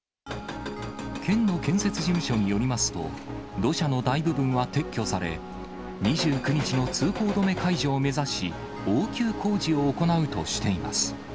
県の建設事務所によりますと、土砂の大部分は撤去され、２９日の通行止め解除を目指し、応急工事を行うとしています。